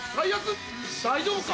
大丈夫か。